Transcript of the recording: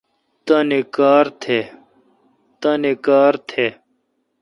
تانی کار تھ۔